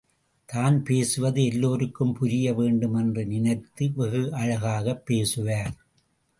தான் பேசுவது எல்லோருக்கும் புரிய வேண்டுமென்று நினைத்து வெகு அழகாகப் பேசுவார்.